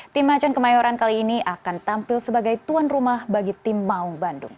tim macan kemayoran kali ini akan tampil sebagai tuan rumah bagi tim maung bandung